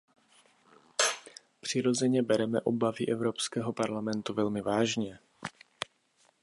Přirozeně bereme obavy Evropského parlamentu velmi vážně.